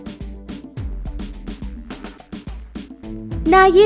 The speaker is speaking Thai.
จุดที่๓รวมภาพธนบัตรที่๙